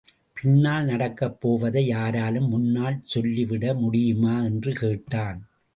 பின்னால் நடக்கப் போவதை யாராலும் முன்னால் சொல்லி விட முடியுமா? என்று கேட்டான்.